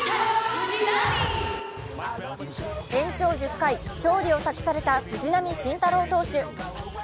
延長１０回、勝利を託された藤浪晋太郎投手。